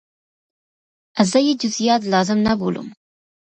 زه یې جزئیات لازم نه بولم.